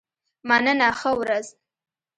مننه ښه ورځ.